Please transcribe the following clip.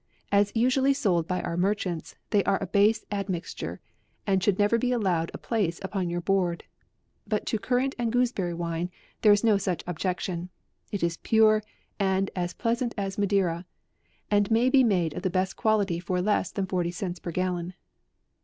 As usually sold by our merchants, they are a base admixture, and should never be allowed a place upon your board; but to currant and gooseberry wine, there is no such objection. It is pure and and pleasant as Madeira, and may be made of the best quality for less than forty cents per gallon.